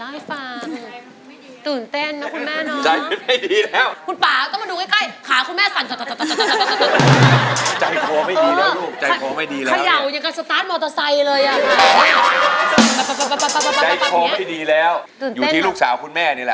ในสตูนเนี่ยทุกคนพูดไปเสียด้วยกันหมดนะรวมถึงคุณแฟนด้วย